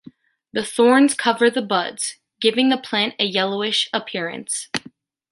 The thorns cover the buds, giving the plant a yellowish appearance.